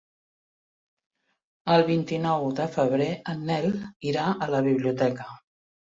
El vint-i-nou de febrer en Nel irà a la biblioteca.